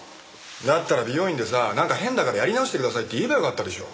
だったら美容院でさなんか変だからやり直してくださいって言えばよかったでしょ。